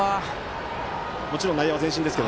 もちろん内野は前進ですが。